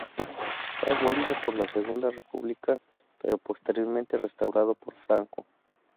Fue abolido por la Segunda República pero posteriormente restaurado por Franco.